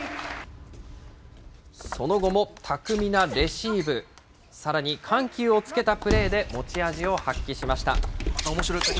その後も巧みなレシーブ、さらに緩急をつけたプレーで持ち味を発揮しました。